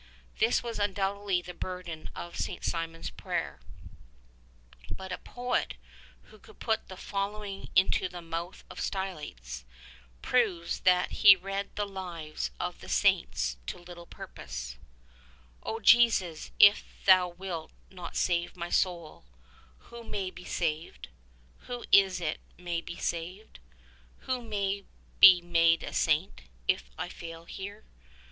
This was undoubtedly the burden of St. Simeon's prayer ; but a poet who could put the follow ing into the mouth of Stylites proves that he read the lives of the saints to little purpose : O Jesus, if Thou wilt not save my soul, Who may be saved? Who is it may be saved? Who may be made a saint, if I fail here?